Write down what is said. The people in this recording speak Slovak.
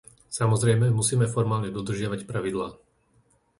Samozrejme musíme formálne dodržiavať pravidlá.